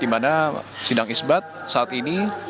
dimana sedang isbat saat ini